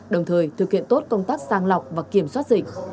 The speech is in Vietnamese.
đồng thời thực hiện tốt công tác sang lọc và kiểm soát dịch